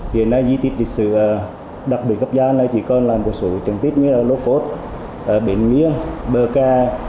hiện nay di tích lịch sử đặc biệt gấp gian chỉ còn là một số trưng tích như là lô cốt bệnh nghiêng bờ ca